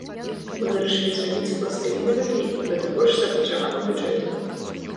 Мы вырашылі зрабіць пластылінавы кліп, да таго ж з абмежаваным бюджэтам.